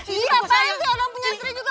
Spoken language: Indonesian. ini apaan sih orang punya sri juga